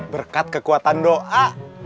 berkat kekuatan doa